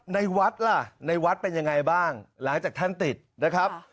ในวัดล่ะในวัดเป็นยังไงบ้างหลังจากท่านติดนะครับ